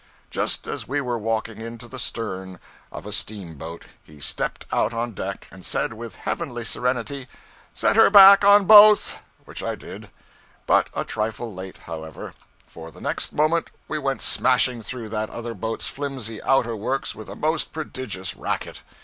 Just as we were walking into the stern of a steamboat, he stepped out on deck, and said, with heavenly serenity, 'Set her back on both' which I did; but a trifle late, however, for the next moment we went smashing through that other boat's flimsy outer works with a most prodigious racket.